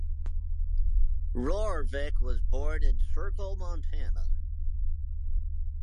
Rorvik was born in Circle, Montana.